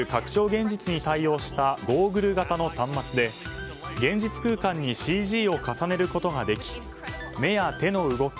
現実に対応したゴーグル型の端末で現実空間にＣＧを重ねることができ目や手の動き